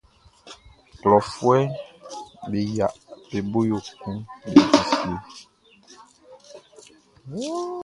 Klɔfuɛʼm be yia be bo yo kun be di fie.